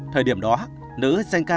thời điểm đó nữ danh ca